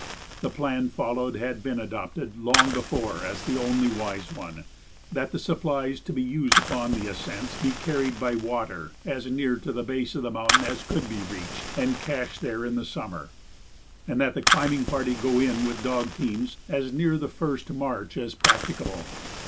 The plan followed had been adopted long before as the only wise one: that the supplies to be used upon the ascent be carried by water as near to the base of the mountain as could be reached and cached there in the summer, and that the climbing party go in with the dog teams as near the 1st March as practicable.